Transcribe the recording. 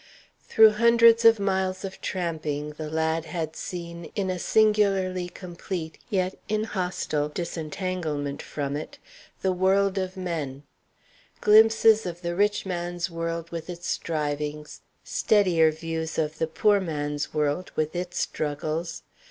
Through hundreds of miles of tramping the lad had seen, in a singularly complete yet inhostile disentanglement from it, the world of men; glimpses of the rich man's world with its strivings, steadier views of the poor man's world with its struggles.